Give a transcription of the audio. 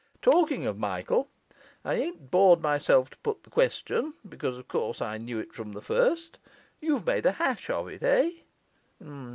Talking of Michael, I ain't bored myself to put the question, because of course I knew it from the first. You've made a hash of it, eh?